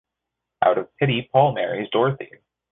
Out of pity, Paul marries Dorothy.